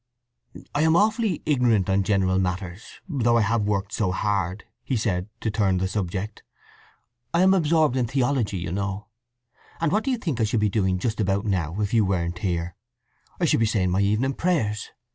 "I am awfully ignorant on general matters, although I have worked so hard," he said, to turn the subject. "I am absorbed in theology, you know. And what do you think I should be doing just about now, if you weren't here? I should be saying my evening prayers.